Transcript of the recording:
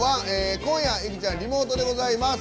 今夜いくちゃんはリモートでございます。